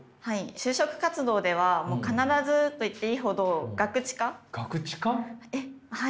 就職活動では必ずと言っていいほどえっはい。